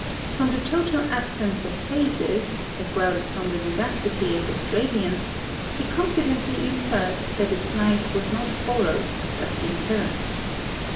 From the total absence of phases, as well as from the vivacity of its radiance, he confidently inferred that its light was not borrowed, but inherent.